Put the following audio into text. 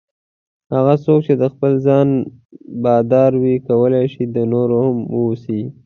هغه څوک چې د خپل ځان بادار وي کولای شي د نورو هم واوسي.